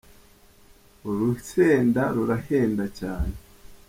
urusenda rurahenda cyane